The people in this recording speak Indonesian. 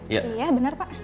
iya bener pak